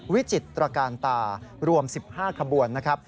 วิจิตรการตารวม๑๕ขบวนนะครับ